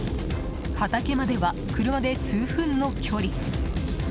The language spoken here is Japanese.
畑までは車で数分の距離。